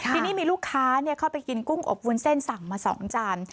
ทีนี้มีลูกค้าเข้าไปกินกุ้งอบวุ้นเส้นสั่งมา๒จาน